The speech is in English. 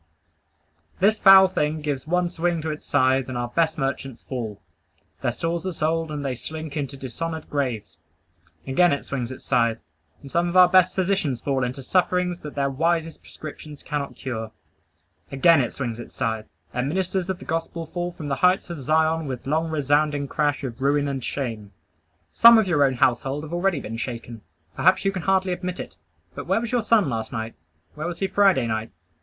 This foul thing gives one swing to its scythe, and our best merchants fall; their stores are sold, and they slink into dishonored graves. Again it swings its scythe, and some of our best physicians fall into sufferings that their wisest prescriptions cannot cure. Again it swings its scythe, and ministers of the gospel fall from the heights of Zion with long resounding crash of ruin and shame. Some of your own household have already been shaken. Perhaps you can hardly admit it; but where was your son last night? Where was he Friday night?